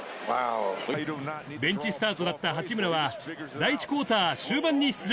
ベンチスタートだった八村は、第１クオーター終盤に出場。